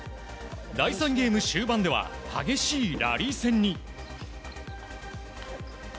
第３ゲーム終盤では激しいラリー戦に。